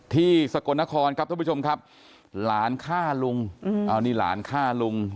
สกลนครครับท่านผู้ชมครับหลานฆ่าลุงเอานี่หลานฆ่าลุง